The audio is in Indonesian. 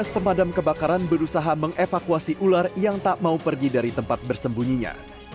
tujuh belas pemadam kebakaran berusaha mengevakuasi ular yang tak mau pergi dari tempat bersembunyinya